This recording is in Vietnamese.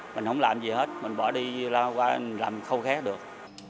mình không làm gì hết mình bỏ đi qua làm khâu khác được